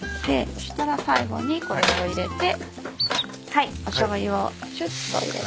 そしたら最後にこれを入れてはいおしょうゆをしゅっと入れて。